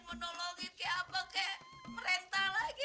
mau nolongin kayak apa kayak merintah lagi